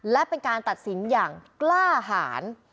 และเป็นการตัดสินอย่างกล้าหาร